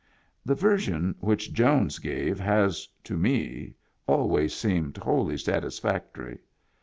The version which Jones gave has (to me) always seemed wholly satisfactory.